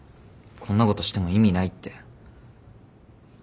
こんなことしても意味ないって。